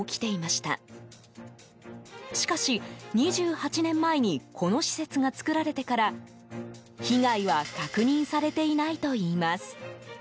しかし、２８年前にこの施設が造られてから被害は確認されていないといいます。